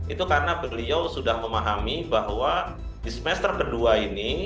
itu karena beliau sudah memahami bahwa di semester kedua ini